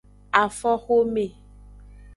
Afoxome.